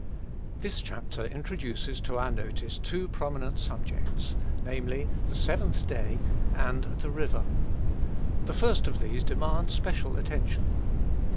This chapter introduces to our notice two prominent subjects, namely, "the seventh day" and "the river." The first of these demands special attention.